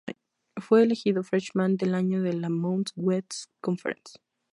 Fue elegido "Freshman" del Año de la Mountain West Conference.